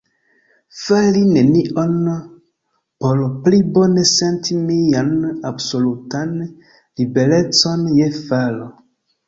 Fari nenion, por pli bone senti mian absolutan liberecon je faro.